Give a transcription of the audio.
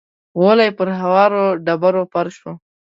غولی پر هوارو ډبرو فرش و.